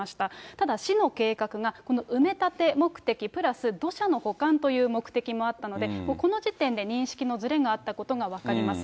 ただ、市の計画がこの埋め立て目的プラス土砂の保管という目的もあったので、この時点で認識のずれがあったことが分かります。